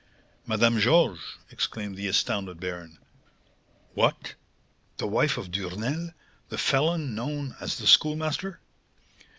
"Madame Georges!" exclaimed the astounded baron. "What, the wife of Duresnel, the felon known as the Schoolmaster?"